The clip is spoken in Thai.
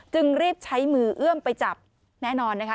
จึงรีบใช้มือเอื้อมไปจับแน่นอนนะคะ